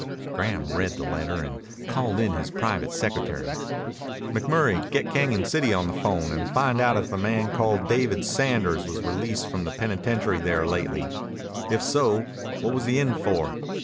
Graham read the letter and called in his private secretary. "McMurray, get Cañon City on the 'phone and find out if a man called David Sanders was released from the penitentiary there lately. If so, what was he in for?